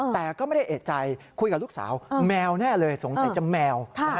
แต่ก็ไม่ได้เอกใจคุยกับลูกสาวแมวแน่เลยสงสัยจะแมว